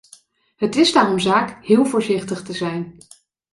Het is daarom zaak heel voorzichtig te zijn.